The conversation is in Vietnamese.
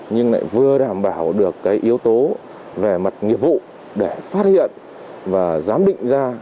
nhưng lại vừa đảm bảo được cái yếu tố về mặt nghiệp vụ để phát hiện và giám định ra